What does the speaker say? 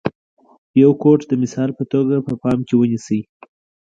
یو کوټ د مثال په توګه په پام کې ونیسئ.